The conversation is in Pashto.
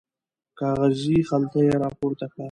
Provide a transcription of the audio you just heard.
کاغذي خلطه یې راپورته کړه.